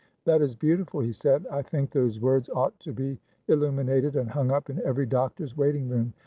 "That is beautiful," he said. "I think those words ought to be illuminated and hung up in every doctor's waiting room."